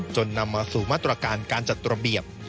นำมาสู่มาตรการการจัดระเบียบ